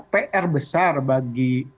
pr besar bagi